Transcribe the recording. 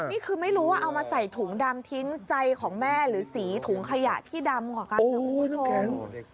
นี่คือไม่รู้ว่าเอามาใส่ถุงดำทิ้งใจของแม่หรือสีถุงขยะที่ดำกว่ากันนะคุณผู้ชม